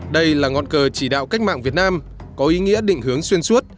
đây là ngọn cờ chỉ đạo cách mạng việt nam có ý nghĩa định hướng xuyên suốt